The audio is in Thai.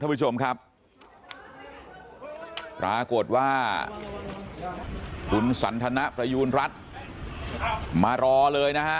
ผู้ชมครับปรากฏว่าคุณสันทนประยูณรัฐมารอเลยนะฮะ